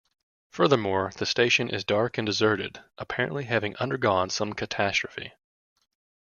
Furthermore, the station is dark and deserted, apparently having undergone some catastrophe.